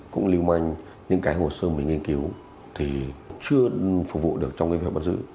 cũng lưu manh những cái hồ sơ mình nghiên cứu thì chưa phục vụ được trong cái vệ bản dự